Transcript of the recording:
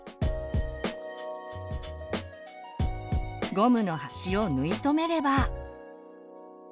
ゴムの端を縫い留めれば。